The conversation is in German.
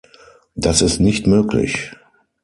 Das ist nicht möglich!